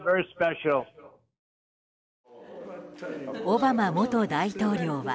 オバマ元大統領は。